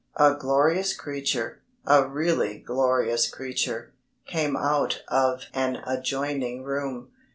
_" A glorious creature a really glorious creature came out of an adjoining room.